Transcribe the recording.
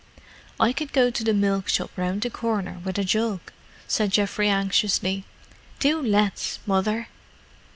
"I could go to the milk shop round the corner with a jug," said Geoffrey anxiously. "Do let's, Mother."